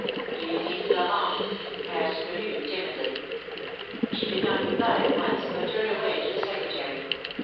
^^" Do you mean Florent ? asked Quenu, timidly. She did not reply at once, but turned away to the Secretary.